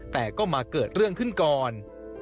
แต่ก็มาเกิดเรื่องขึ้นก่อน